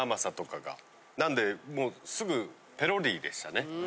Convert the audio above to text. なんですぐペロリでしたね。